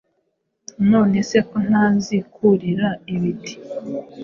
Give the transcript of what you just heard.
None se ko ntazi kurira ibiti